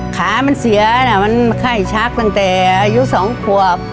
ขามันเสียนะมันไข้ชักตั้งแต่อายุ๒ขวบ